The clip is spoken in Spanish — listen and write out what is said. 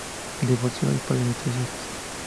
Es divorciado y padre de tres hijas.